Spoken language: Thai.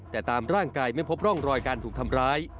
แต่ตามร่างกายไม่พบร่องรอยการถูกทำร้าย